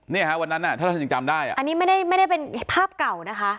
เนี่ยฮะวันนั้นอ่ะถ้าท่านยังจำได้อ่ะอันนี้ไม่ได้ไม่ได้เป็นภาพเก่านะคะ